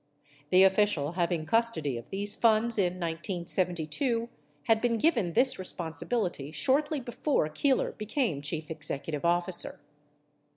The official having custody of these funds in 1972 had been given this responsibility shortly before Keeler became chief executive officer.